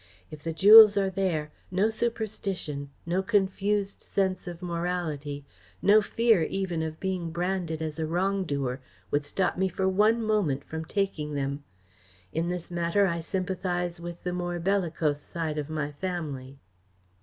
If the jewels are there, no superstition, no confused sense of morality, no fear even of being branded as a wrong doer, would stop me for one moment from taking them. In this matter I sympathise with the more bellicose side of my family."